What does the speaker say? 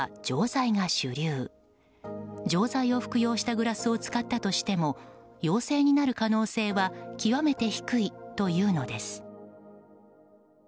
錠剤を服用したグラスを使ったとしても陽性になる可能性は極めて低いというのです。